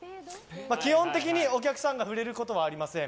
基本的にお客さんが触れることはありません。